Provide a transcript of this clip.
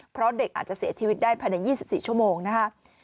เพราะเด็กอาจจะเสียชีวิตได้ภายใน๒๔ชั่วโมงนะคะ